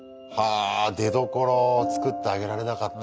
あ出どころを作ってあげられなかった。